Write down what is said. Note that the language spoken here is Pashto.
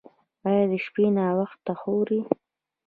ایا د شپې ناوخته خورئ؟